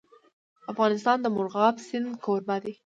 افغانستان د مورغاب سیند کوربه دی.